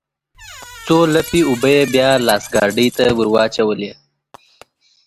څو لپې اوبه يې بيا لاس ګاډي ته ورواچولې.